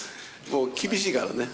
もう、厳しいからね。